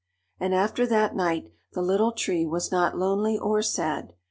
_] And after that night, the Little Tree was not lonely or sad.